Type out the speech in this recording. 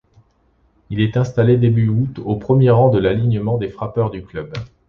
Il est installé début août au premier rang de l'alignement des frappeurs du club.